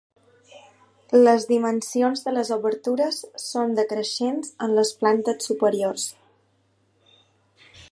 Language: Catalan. Les dimensions de les obertures són decreixents en les plantes superiors.